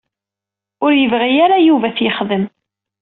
Ur yebɣi ara Yuba ad t-yexdem.